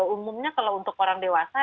umumnya kalau untuk orang dewasa